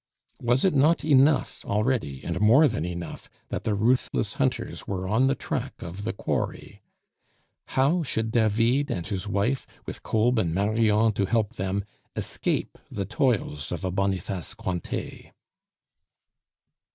Was it not enough already, and more than enough, that the ruthless hunters were on the track of the quarry? How should David and his wife, with Kolb and Marion to help them, escape the toils of a Boniface Cointet?